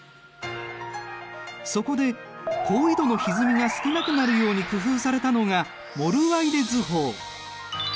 そこで高緯度のひずみが少なくなるように工夫されたのがモルワイデ図法。